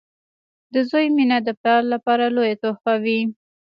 • د زوی مینه د پلار لپاره لویه تحفه وي.